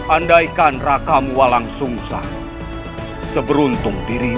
andaikan rakam walang sungsang seberuntung diri